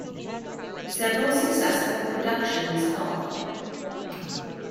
Several successful productions followed.